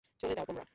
চলে যাও তোমরা!